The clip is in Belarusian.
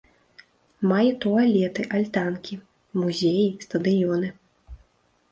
Мае туалеты, альтанкі, музеі, стадыёны.